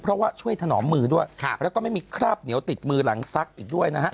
เพราะว่าช่วยถนอมมือด้วยแล้วก็ไม่มีคราบเหนียวติดมือหลังซักอีกด้วยนะฮะ